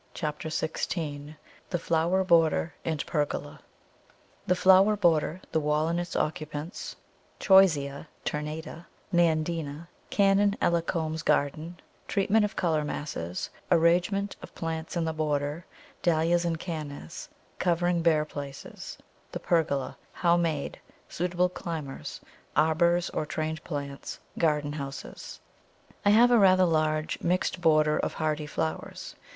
CHAPTER XVI THE FLOWER BORDER AND PERGOLA The flower border The wall and its occupants Choisya ternata Nandina Canon Ellacombe's garden Treatment of colour masses Arrangement of plants in the border Dahlias and Cannas Covering bare places The pergola How made Suitable climbers Arbours of trained Planes Garden houses. I have a rather large "mixed border of hardy flowers."